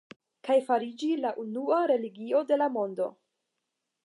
Kaj fariĝi la unua religio de la mondo.